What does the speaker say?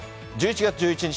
１１月１１日